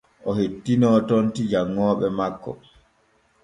O hettinoo tonti janŋooɓe makko.